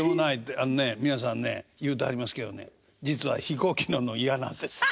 あのね皆さんね言うてはりますけどね実は飛行機乗んの嫌なんです。